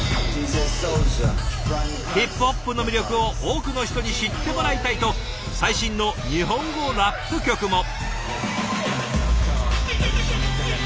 ヒップホップの魅力を多くの人に知ってもらいたいと最新の日本語ラップ曲も。